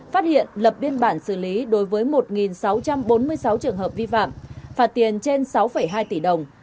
phát hiện lập biên bản xử lý đối với một sáu trăm bốn mươi sáu trường hợp vi phạm phạt tiền trên sáu hai tỷ đồng